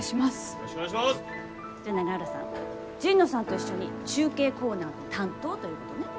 じゃあ永浦さんは神野さんと一緒に中継コーナーの担当ということね。